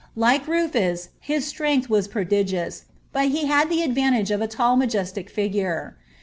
Like Rufus, his strength was prodigious, but he had the advantage of a tall majestic figure.'